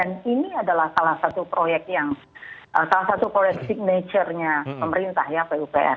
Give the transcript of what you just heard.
dan ini adalah salah satu proyek yang salah satu proyek signature nya pemerintah ya pupr